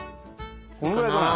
このぐらいかな？